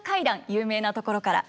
有名なところから。